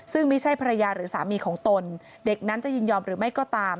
ซึ่งไม่ใช่ภรรยาหรือสามีของตนเด็กนั้นจะยินยอมหรือไม่ก็ตาม